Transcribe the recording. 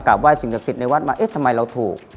กลับไหว้สินคสินในวัดมาเอ๊ะทำไมเราถูก